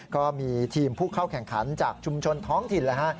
ก็มีทีมผู้เข้าแข่งขันจากชุมชนท้องถิ่นแล้วฮะ